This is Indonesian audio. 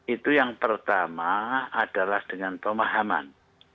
itu yang pertama adalah dengan pemahaman